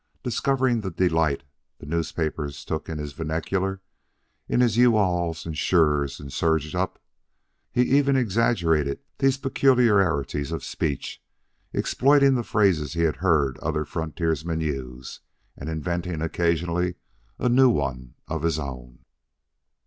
Discovering the delight the newspapers took in his vernacular, in his "you alls," and "sures," and "surge ups," he even exaggerated these particularities of speech, exploiting the phrases he had heard other frontiersmen use, and inventing occasionally a new one of his own.